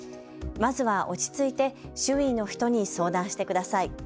まずは落ち着いて周囲の人に相談してください。